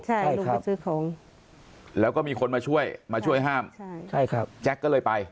ใช่ลงไปซื้อของแล้วก็มีคนมาช่วยมาช่วยห้ามใช่ใช่ครับแจ็คก็เลยไป